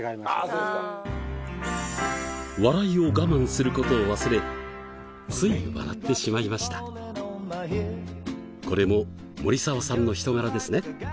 そうですか笑いを我慢することを忘れつい笑ってしまいましたこれも森澤さんの人柄ですね